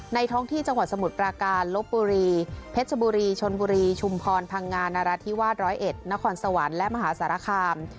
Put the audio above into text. ท้องที่จังหวัดสมุทรปราการลบบุรีเพชรบุรีชนบุรีชุมพรพังงานาราธิวาสร้อยเอ็ดนครสวรรค์และมหาสารคาม